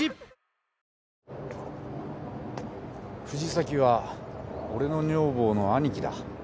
藤崎は俺の女房の兄貴だ。